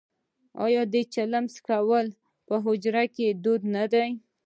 آیا د چلم څکول په حجرو کې دود نه دی؟